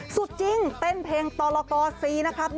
สุดจริงเต้นเพลงตลกอ๔นะครับ